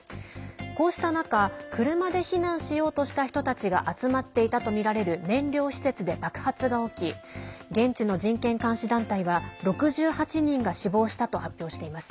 こうした中車で避難しようとした人たちが集まっていたとみられる燃料施設で爆発が起き現地の人権監視団体は、６８人が死亡したと発表しています。